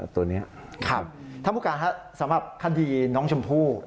ตัวนี้ท่านผู้การสำหรับคดีน้องชมพู่